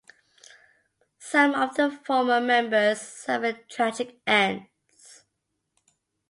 Some of the former members suffered tragic ends.